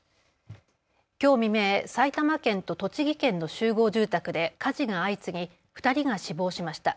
きょう未明、埼玉県と栃木県の集合住宅で火事が相次ぎ２人が死亡しました。